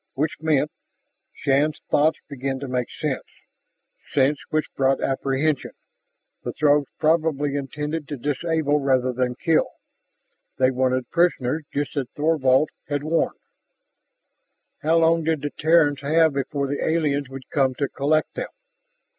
Which meant, Shann's thoughts began to make sense sense which brought apprehension the Throgs probably intended to disable rather than kill. They wanted prisoners, just as Thorvald had warned. How long did the Terrans have before the aliens would come to collect them?